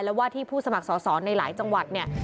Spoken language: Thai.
และว่าที่ผู้สมัครสอสอในหลายจังหวัดเนี่ย